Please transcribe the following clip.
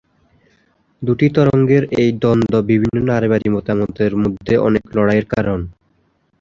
দুটি তরঙ্গের এই দ্বন্দ্ব বিভিন্ন নারীবাদী মতামতের মধ্যে অনেক লড়াইয়ের কারণ।